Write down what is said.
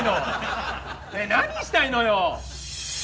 ねえ何したいのよ？